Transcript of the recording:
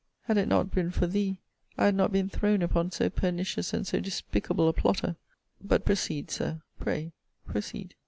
had it not been for thee, I had not been thrown upon so pernicious and so despicable a plotter! But proceed, Sir; pray proceed.'